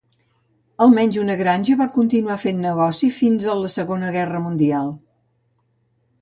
Al menys una granja va continuar fent negoci fins a la Segona Guerra Mundial.